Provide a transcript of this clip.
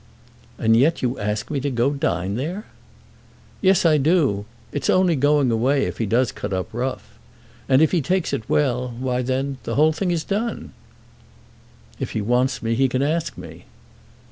"And yet you ask me to go and dine there!" "Yes, I do. It's only going away if he does cut up rough. And if he takes it well, why then, the whole thing is done." "If he wants me, he can ask me."